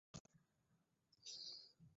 其所在地喇沙利道因喇沙书院而命名。